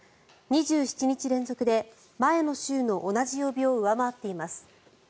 ２７日連続で前の週の同じ曜日を上回っています。